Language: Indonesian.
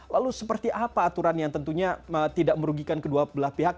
lalu seperti apa aturan yang tentunya tidak merugikan kedua belah pihak